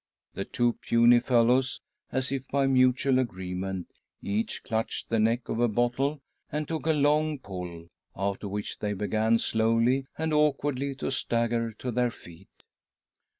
The two puny fellows, as if by mutual agreement, each clutched the neck of a bottle and took a long pull, after which they began slowly and awkwardly to stagger to their ..feet.